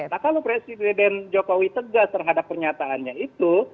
nah kalau presiden jokowi tegas terhadap pernyataannya itu